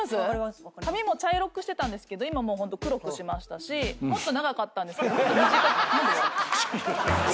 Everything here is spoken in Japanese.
髪も茶色くしてたけど今もう黒くしましたしもっと長かったんですけど短く。